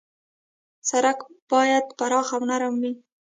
سړک باید پراخ او نرم وي.